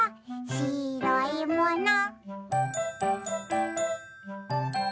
しろいもの？」